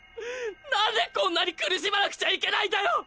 なんでこんなに苦しまなくちゃいけないんだよ！